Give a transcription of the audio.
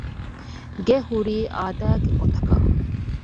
ގެ ހުރީ އާދައިގެ ގޮތަކަށް